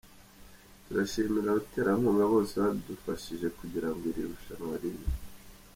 Turashimira abaterankunga bose badufashije kugira ngo iri rushanwa ribe.